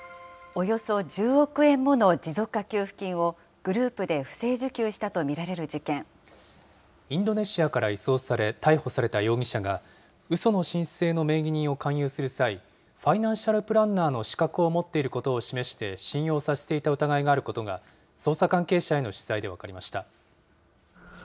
およそ１０億円もの持続化給付金をグループで不正受給したとインドネシアから移送され、逮捕された容疑者が、うその申請の名義人を勧誘する際、ファイナンシャルプランナーの資格を持っていることを示して信用させていた疑いがあることが、捜査関係者への取材で分かりました。